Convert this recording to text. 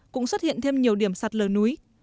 cũng xuất hiện thêm nhiều điểm sạt lở núi